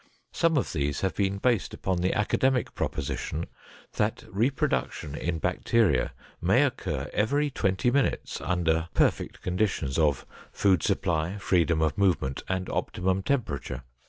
Some of these have been based upon the academic proposition that reproduction in bacteria may occur every twenty minutes under perfect conditions of food supply, freedom of movement, and optimum temperature.